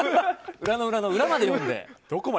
裏の裏の裏まで読んで。